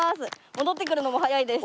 戻ってくるのも速いです。